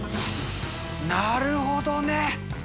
なるほどね。